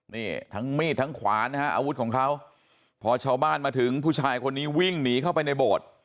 นี่ทั้งมีดทั้งขวานนะฮะอาวุธของเขาพอชาวบ้านมาถึงผู้ชายคนนี้วิ่งหนีเข้าไปในโบสถ์